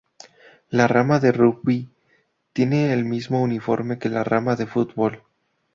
La rama de rugby tenía el mismo uniforme que la rama de fútbol.